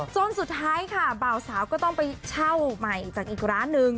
จนสุดท้ายค่ะบ่าวสาวก็ต้องไปเช่าใหม่จากอีกร้านนึง